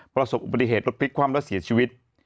ประสบอุบัติเหตุรถพลิกคว่ำและเสียชีวิต